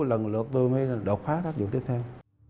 lần lượt tôi mới đột phá tháp dụng tiếp theo